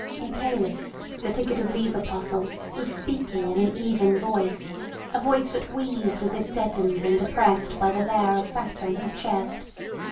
Michaelis, the ticket of leave apostle, was speaking in an even voice, a voice that wheezed as if deadened and oppressed by the layer of fat on his chest.